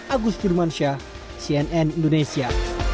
agus curmansyah cnn indonesia